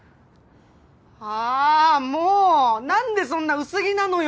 あもうなんでそんな薄着なのよ？